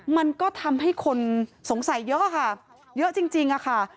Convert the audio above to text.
มันก็ทำให้คนสงสัยเยอะค่ะเยอะจริงค่ะ